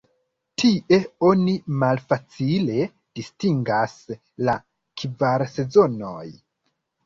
Tie oni malfacile distingas la kvar sezonojn.